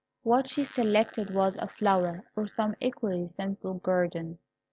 What she selected was a flower, or some equally simple guerdon.